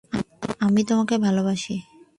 আমি তোমাকেই ভালোবাসি!